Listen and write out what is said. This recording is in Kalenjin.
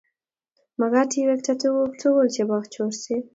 mekat iwekte tuguk tugul chebo chorset